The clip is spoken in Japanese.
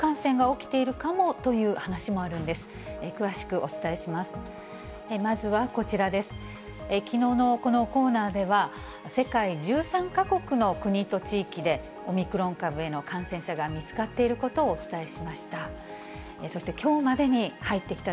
きのうのこのコーナーでは、世界１３か国の国と地域で、オミクロン株への感染者が見つかっていることをお伝えしました。